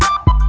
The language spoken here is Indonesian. kau mau kemana